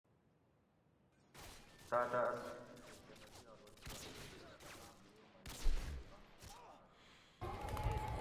تاتہ اسیں چیشہ کہ نصیات وصیات کیر پرہ اساں مویو مئی تہ تتھی سنگ باڛت